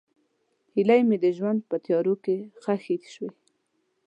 هیلې مې د ژوند په تیارو کې ښخې شوې.